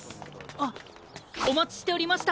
あっおまちしておりました。